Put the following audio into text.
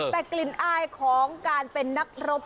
แต่กลิ่นอายของการเป็นนักรบ